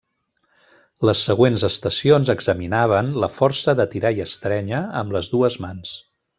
Les següents estacions examinaven la força de tirar i estrènyer amb les dues mans.